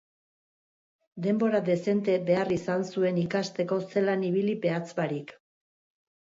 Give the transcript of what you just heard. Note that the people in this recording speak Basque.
Denbora dezente behar izan zuen ikasteko zelan ibili behatz barik.